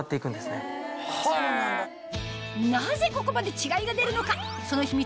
なぜここまで違いが出るのか？